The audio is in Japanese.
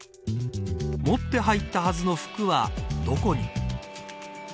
持って入ったはずの服はどこに。